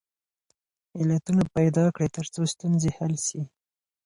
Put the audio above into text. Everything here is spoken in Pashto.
علتونه پیدا کړئ ترڅو ستونزې حل سي.